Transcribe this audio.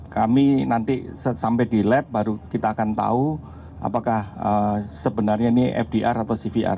kami nanti sampai di lab baru kita akan tahu apakah sebenarnya ini fdr atau cvr